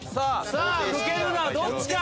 さあ抜けるのはどっちか？